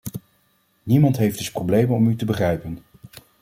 Niemand heeft dus problemen om u te begrijpen.